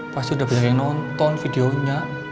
pasti udah banyak yang nonton videonya